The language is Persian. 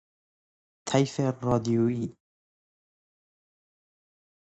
طیف رادیویی